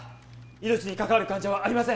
命に関わる患者はありません